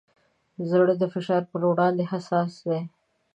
زړه د فشار پر وړاندې حساس دی.